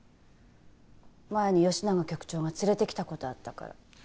前に吉永局長が連れてきた事あったから。